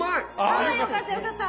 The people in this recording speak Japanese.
あよかったよかった。